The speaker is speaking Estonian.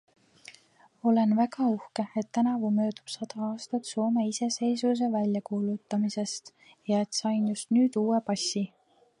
Olen väga uhke, et tänavu möödub sada aastat Soome iseseisvuse väljakuulutamisest ja et sain just nüüd uue passi.